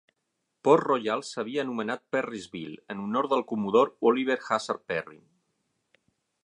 Port Royal s'havia anomenat Perrysville, en honor del comodor Oliver Hazard Perry.